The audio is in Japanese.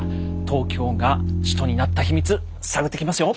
東京が首都になった秘密探ってきますよ。